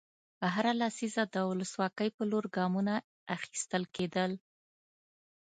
هره لسیزه د ولسواکۍ په لور ګامونه اخیستل کېدل.